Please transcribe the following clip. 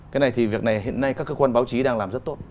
cái này thì việc này hiện nay các cơ quan báo chí đang làm rất tốt